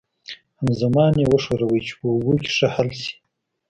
همزمان یې وښورئ چې په اوبو کې ښه حل شي.